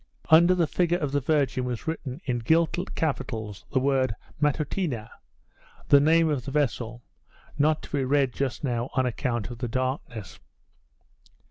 Under the figure of the Virgin was written, in gilt capitals, the word Matutina the name of the vessel, not to be read just now on account of the darkness.